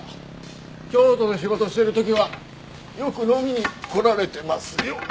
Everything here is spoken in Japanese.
京都で仕事してる時はよく飲みに来られてますよ。